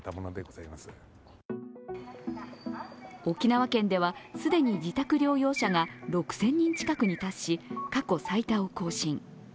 沖縄県では既に自宅療養者が６０００人近くに達し過去最多を更新。